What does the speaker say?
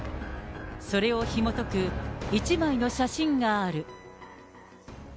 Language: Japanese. それをひもとく、１枚の写真がある。